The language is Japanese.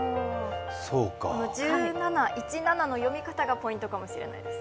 １７の読み方がポイントかもしれないです。